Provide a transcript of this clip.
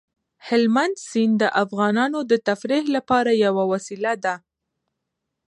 هلمند سیند د افغانانو د تفریح لپاره یوه وسیله ده.